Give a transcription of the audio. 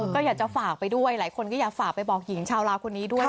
ก็อยากจะฝากไปด้วยหลายคนก็อยากฝากไปบอกหญิงชาวลาวคนนี้ด้วย